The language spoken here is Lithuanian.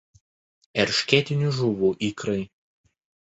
Eršketinių žuvų ikrai.